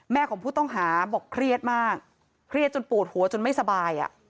ของผู้ต้องหาบอกเครียดมากเครียดจนปวดหัวจนไม่สบาย